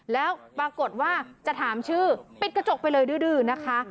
แล้วปรากฏว่าจะถามชื่อปิดกระจกไปเลยดื้อนะคะ